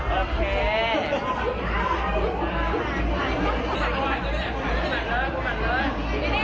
ก็ไม่มีเวลาให้กลับมาเที่ยว